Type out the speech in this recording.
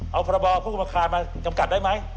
เอาพระบอบพวกอุมารคารมากำกัดได้มั้ย